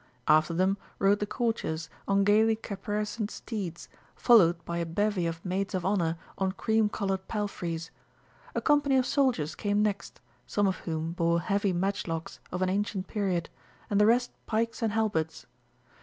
After them rode the Courtiers on gaily caparisoned steeds, followed by a bevy of Maids of Honour on cream coloured palfreys. A company of soldiers came next, some of whom bore heavy matchlocks of an ancient period, and the rest pikes and halberds.